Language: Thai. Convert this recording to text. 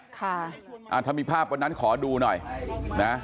ค่ะถ้ามีภาพของนั้นขอดูหน่อยนะ